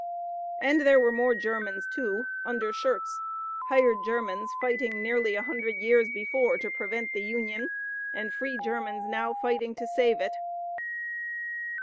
And there were more Germans, too, under Schurz hired Germans, fighting nearly a hundred years before to prevent the Union and free Germans now fighting to save it.